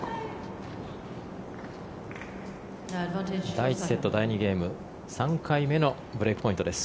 第１セット第２ゲーム３回目のブレークポイントです